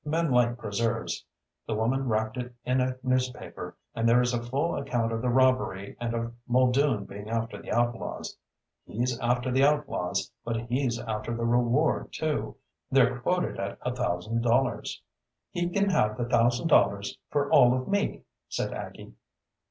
Men like preserves. The woman wrapped it in a newspaper, and there is a full account of the robbery and of Muldoon being after the outlaws. He's after the outlaws, but he's after the reward too. They're quoted at a thousand dollars!" "He can have the thousand dollars for all of me," said Aggie.